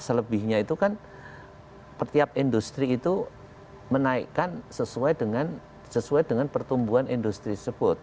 selebihnya itu kan setiap industri itu menaikkan sesuai dengan pertumbuhan industri tersebut